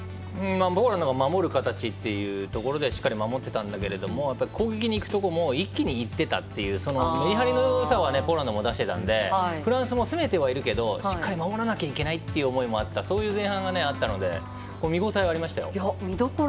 ポーランドが守る形というところでしっかり守っていたんだけど攻撃に行くところも一気に行っていたというそのメリハリのよさはポーランドも出してたのでフランスも攻めているけどしっかり守らないといけない思いもあったという前半があったので見どころ